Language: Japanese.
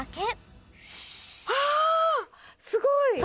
すごい！